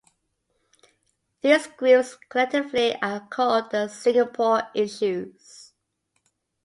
These groups collectively are called the Singapore issues.